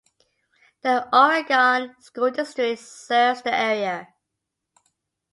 The Oregon School District serves the area.